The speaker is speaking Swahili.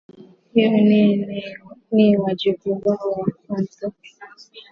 hiyo ni ni ni wajibu wao wa kwanza